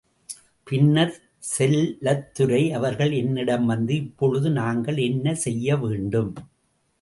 பின்னர் செல்லத்துரை அவர்கள் என்னிடம் வந்து இப்பொழுது நாங்கள் என்ன செய்யவேண்டும்?